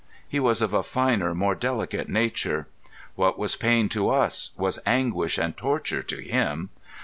He was of a finer, more delicate nature. What was pain to us was anguish and torture to him.